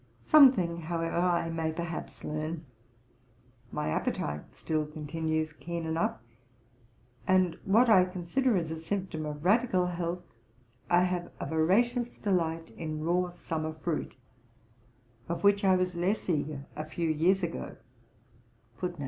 Something however I may perhaps learn. My appetite still continues keen enough; and what I consider as a symptom of radical health, I have a voracious delight in raw summer fruit, of which I was less eager a few years ago.